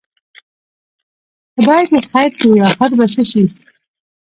خدای دې خیر کړي، اخر به څه شي؟